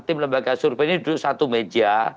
tim lembaga survei ini duduk satu meja